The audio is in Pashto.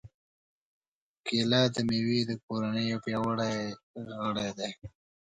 کېله د مېوې د کورنۍ یو پیاوړی غړی دی.